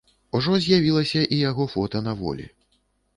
Ужо з'явілася і яго фота на волі.